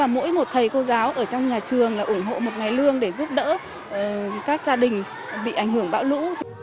mỗi một thầy cô giáo ở trong nhà trường là ủng hộ một ngày lương để giúp đỡ các gia đình bị ảnh hưởng bão lũ